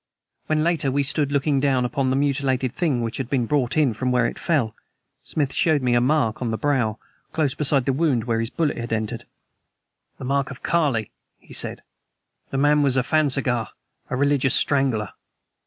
When, later, we stood looking down upon the mutilated thing which had been brought in from where it fell, Smith showed me a mark on the brow close beside the wound where his bullet had entered. "The mark of Kali," he said. "The man was a phansigar a religious strangler.